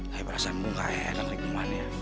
tapi perasaan gue nggak enak hikmahnya